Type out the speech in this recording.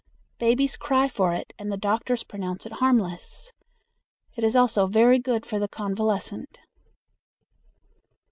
"Babies cry for it, and the doctors pronounce it harmless." It is also very good for the convalescent.